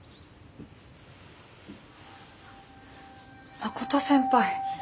真琴先輩。